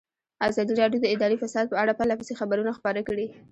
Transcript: ازادي راډیو د اداري فساد په اړه پرله پسې خبرونه خپاره کړي.